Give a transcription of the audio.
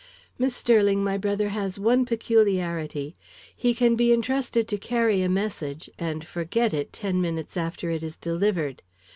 Miss Sterling, my brother has one peculiarity. He can be intrusted to carry a message, and forget it ten minutes after it is delivered.